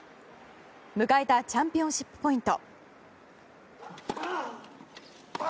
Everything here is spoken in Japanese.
迎えたチャンピオンシップポイント。